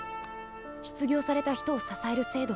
失業された人を支える制度もある。